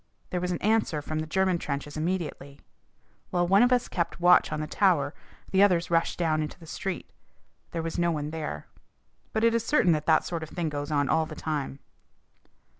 There was an answer from the German trenches immediately. While one of us kept watch on the tower the others rushed down into the street. There was no one there. But it is certain that that sort of thing goes on all the time."